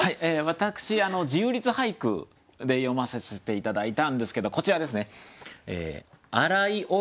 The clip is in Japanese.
私自由律俳句で詠まさせて頂いたんですけどこちらですね。